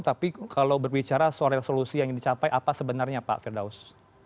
tapi kalau berbicara soal resolusi yang dicapai apa sebenarnya pak firdaus